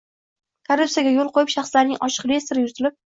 Korrupsiyaga yo‘l qo‘ygan shaxslarning ochiq reestri yuritilib